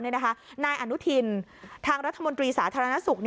นายอนุทินทางรัฐมนตรีสาธารณสุข